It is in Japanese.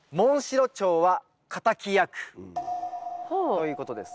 ということですね。